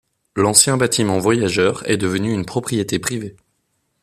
L'ancien bâtiment voyageurs est devenue une propriété privée.